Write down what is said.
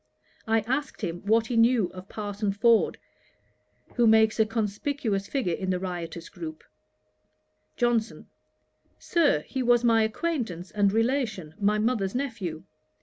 I asked him what he knew of Parson Ford, who makes a conspicuous figure in the riotous group. JOHNSON. 'Sir, he was my acquaintance and relation, my mother's nephew.